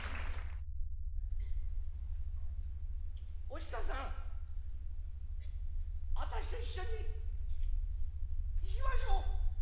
お久さんあたしと一緒に行きましょう。